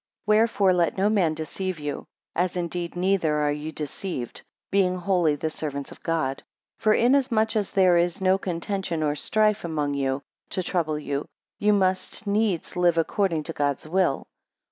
8 Wherefore let no man deceive you; as indeed neither are ye deceived, being wholly the servants of God. For inasmuch as there is no contention nor strife among you, to trouble you, ye must needs live according to God's will.